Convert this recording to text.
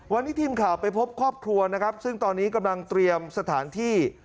วันนี้ทีมข่าวไปพบครอบครัวนะครับซึ่งตอนนี้กำลังเตรียมสถานที่